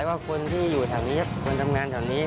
ก็ควรที่อยู่ช่างนี้คนทำงานช่างนี้